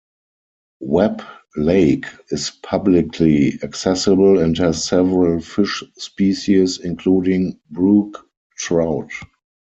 Webb Lake is publicly accessible and has several fish species, including brook trout.